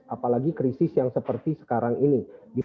apalagi krisis yang seperti sekarang ini